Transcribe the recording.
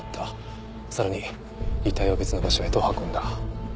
さらに遺体を別の場所へと運んだ。